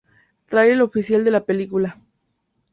Tráiler oficial de la película